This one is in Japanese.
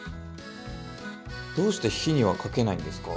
どうして火にはかけないんですか？